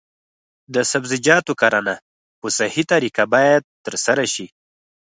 د سبزیجاتو کرنه په صحي طریقه باید ترسره شي.